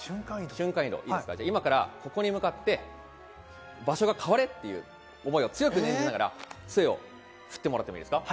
今からここに向かって、場所が変われ！っていう思いを強く念じながら杖を振ってもらっていいですか？